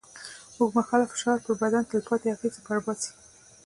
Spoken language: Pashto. اوږدمهاله فشار پر بدن تلپاتې اغېزه پرېباسي.